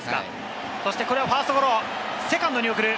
そしてこれはファーストゴロ、セカンドに送る。